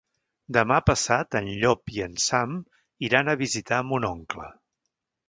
Demà passat en Llop i en Sam iran a visitar mon oncle.